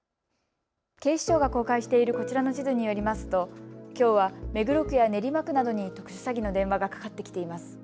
警視庁が公開しているこちらの地図によりますときょうは目黒区や練馬区などに特殊詐欺の電話がかかってきています。